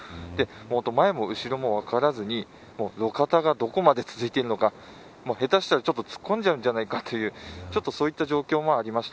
前も後ろも分からずに路肩がどこまで続いているのか下手したら突っ込んじゃないかというぐらいそういった状況もありました。